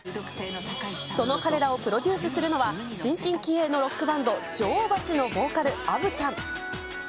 その彼らをプロデュースするのは新進気鋭のロックバンド、女王蜂のボーカル、アヴちゃん。